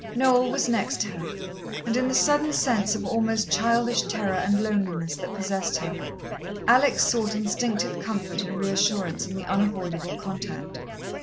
Noel was next her, and in the sudden sense of almost childish terror and loneliness that possessed her, Alex sought instinctive comfort and reassurance in the unavoidable contact.